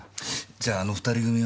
じゃああの２人組は。